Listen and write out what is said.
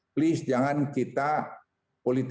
please jangan masuk pada skenario jelek ya seperti itu